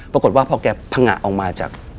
ปรากฏว่าแกผ้างะออกมาจากประตูดาดฟ้า